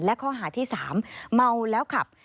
และข้อหาที่๓เมาแล้วขับ